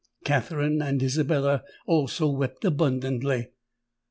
Katherine and Isabella also wept abundantly.